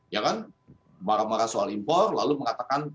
ya kan marah marah soal impor lalu mengatakan